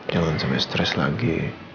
jangan sampai stres lagi